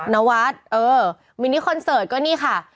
นวัดเออมินิคอนเสิร์ตก็นี่ค่ะ